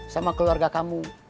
sama keluarga kamu